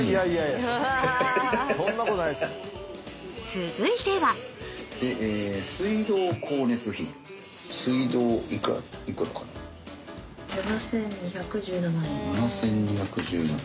続いては７，２１７円。